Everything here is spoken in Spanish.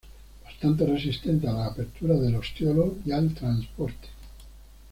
Bastantes resistentes a la apertura del ostiolo y al transporte.